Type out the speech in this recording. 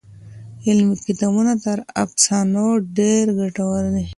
علمي کتابونه تر افسانو ډېر ګټور دي.